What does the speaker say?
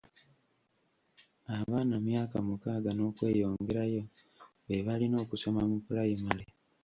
Abaana myaka mukaaga n'okweyongerayo be balina okusoma mu pulayimale.